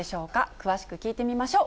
詳しく聞いてみましょう。